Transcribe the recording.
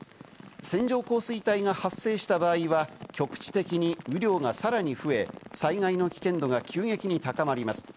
線状降水帯が発生した場合は、局地的に雨量がさらに増え、災害の危険度が急激に高まります。